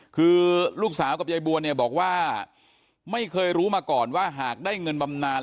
คือลูกสาวกับยายบัวเนี่ยบอกว่าไม่เคยรู้มาก่อนว่าหากได้เงินบำนาน